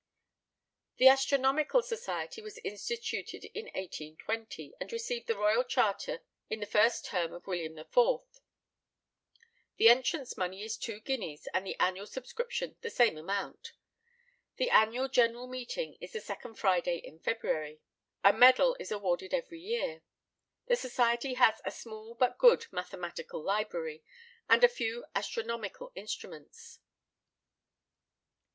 The Astronomical Society was instituted in 1820, and received the royal charter in 1st William IV. The entrance money is two guineas, and the annual subscription the same amount. The annual general meeting is the second Friday in February. A medal is awarded every year. The society has a small but good mathematical library, and a few astronomical instruments.